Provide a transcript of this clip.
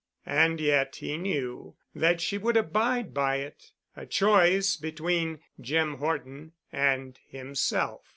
And yet he knew that she would abide by it—a choice between Jim Horton and himself.